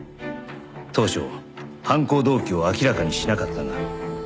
当初犯行動機を明らかにしなかったが。